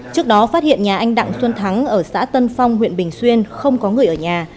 trước đó phát hiện nhà anh đặng xuân thắng ở xã tân phong huyện bình xuyên không có người ở nhà